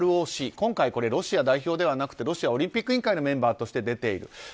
今回ロシア代表ではなくてロシアオリンピック委員会のメンバーとして出ている。